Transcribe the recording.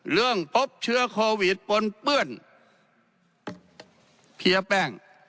เรื่องปบเชื้อโควิดปนเปื้อนเพียแป้ง